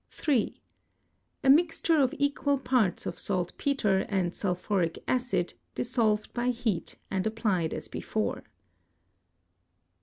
3. A mixture of equal parts of saltpetre and sulphuric acid dis solved by heat and applied as before.